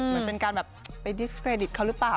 เหมือนเป็นการแบบไปดิสเครดิตเขาหรือเปล่า